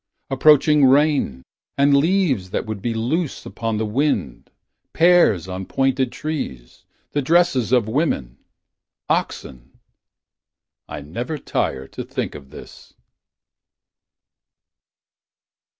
Approaching rain And leaves that would be loose upon the wind. Pears on pointed trees. The dresses of women. Oxen .... I never tire To think of this.